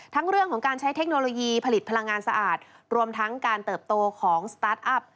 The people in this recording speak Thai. ทั้งเรื่องของการใช้เทคโนโลยีผลิตพลังงานสะอาดรวมทั้งการเติบโตของสตาร์ทอัพ